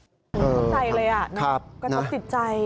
ต้องใจเลยอะต้องติดใจ